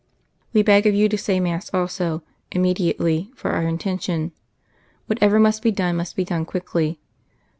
We beg of you to say mass also, immediately, for Our intention. Whatever must be done must be done quickly.